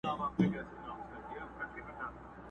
يو په يو يې لوڅېدله اندامونه!!